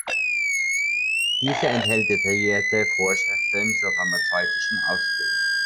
Diese enthält detaillierte Vorschriften zur pharmazeutischen Ausbildung.